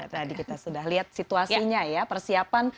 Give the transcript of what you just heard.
tadi kita sudah lihat situasinya ya persiapan